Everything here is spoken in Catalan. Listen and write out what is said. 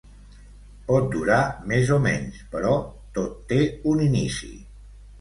Pot durar més o menys, però tot té un inici.